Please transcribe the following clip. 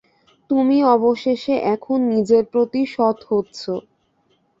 তুমি অবশেষে এখন নিজের প্রতি সৎ হচ্ছো।